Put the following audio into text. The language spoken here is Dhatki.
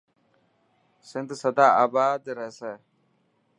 سنڌ سدا آبا رهسي.